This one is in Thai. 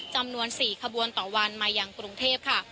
จำนวน๔ขบวนต่อวันมายังกรุงเทพค่ะ